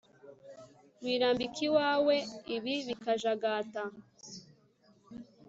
wirambika iwawe ibilyi bikajagata